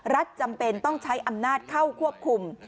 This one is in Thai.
จำเป็นต้องใช้อำนาจเข้าควบคุม